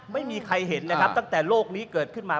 ไม่มีใครเห็นนะครับตั้งแต่โลกนี้เกิดขึ้นมา